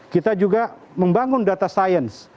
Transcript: kita juga membangun data sains